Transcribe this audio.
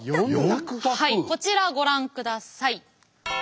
はいこちらご覧ください。